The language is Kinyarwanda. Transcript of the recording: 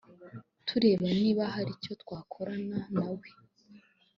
turebe niba hari icyo twakorana na we